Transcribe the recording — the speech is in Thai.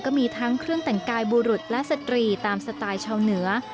ก็มีทั้งเครื่องแต่งกายบุรุษและสตรีตามสไตล์ชาวเหนือ